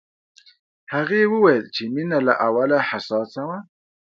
هغې وویل چې مينه له اوله حساسه وه